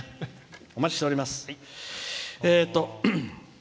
お待ちしております。